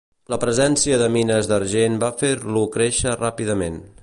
La presència de mines d'argent va fer-lo créixer ràpidament.